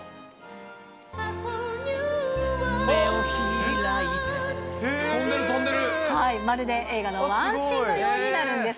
あっ、まるで映画のワンシーンのようになるんです。